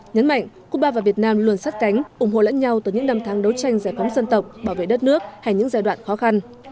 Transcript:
nhấn mạnh cuba và việt nam luôn sát cánh ủng hộ lẫn nhau từ những năm tháng đấu tranh giải phóng dân tộc bảo vệ đất nước hay những giai đoạn khó khăn